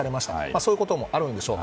そういうこともあるんでしょう。